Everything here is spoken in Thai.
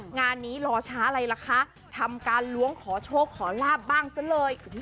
งานนี้รอช้าอะไรล่ะคะทำการล้วงขอโชคขอลาบบ้างซะเลย